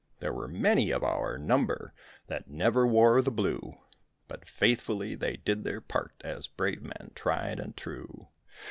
There were many of our number That never wore the blue, But, faithfully, they did their part, As brave men, tried and true.